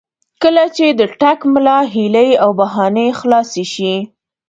کله چې د ټګ ملا هیلې او بهانې خلاصې شي.